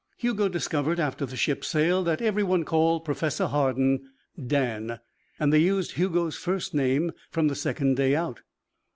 Hugo discovered, after the ship sailed, that everyone called Professor Hardin "Dan" and they used Hugo's first name from the second day out.